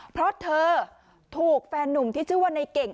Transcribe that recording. เพราะเธอถูกแฟนนุ่มที่ชื่อว่าในเก่ง